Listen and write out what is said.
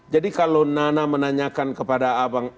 jadi kalau nana menanyakan kepada abang